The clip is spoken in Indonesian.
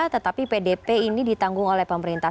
tetapi pdp ini ditanggung oleh pemerintah